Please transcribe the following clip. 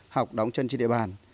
học đóng chân trên địa bàn